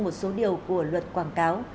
một số điều của luật quảng cáo